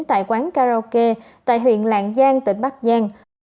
tại quán karaoke tại huyện lạng giang tỉnh bắc giang